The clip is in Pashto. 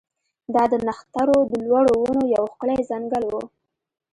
دا د نښترو د لوړو ونو یو ښکلی ځنګل و